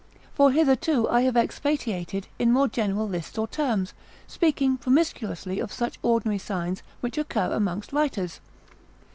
For hitherto I have expatiated in more general lists or terms, speaking promiscuously of such ordinary signs, which occur amongst writers.